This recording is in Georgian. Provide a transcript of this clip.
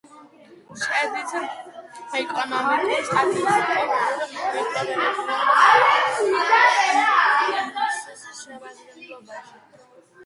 შედის ეკონომიკურ-სტატისტიკურ მიკრორეგიონ კატაგუაზისის შემადგენლობაში.